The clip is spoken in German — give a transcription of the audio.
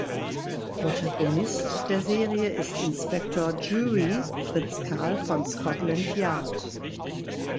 Protagonist der Serie ist Inspektor Jury (Fritz Karl) von Scotland Yard.